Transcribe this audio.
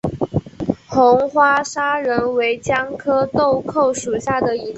红花砂仁为姜科豆蔻属下的一个种。